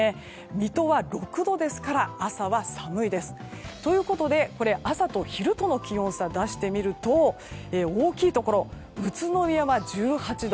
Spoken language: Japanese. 水戸は６度ですから朝は寒いです。ということで朝と昼との気温差を出してみると大きいところ、宇都宮は１８度。